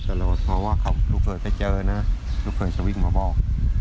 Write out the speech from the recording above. แต่เราว่าเขาลูกเผยไปเจอน่ะลูกเผยจะวิ่งมาบอก